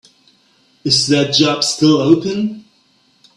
Is that job still open?